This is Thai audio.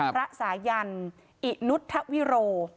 สายันอินุทธวิโร